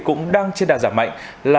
cũng đang trên đạt giả mạnh